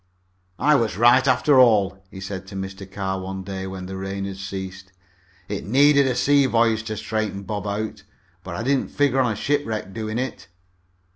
"I was right, after all," he said to Mr. Carr, one day when the rain had ceased. "It needed a sea voyage to straighten Bob out, but I didn't figure on a shipwreck doing it."